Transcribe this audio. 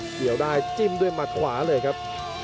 เกี่ยวได้จิ้มด้วยหมัดขวาเลยครับ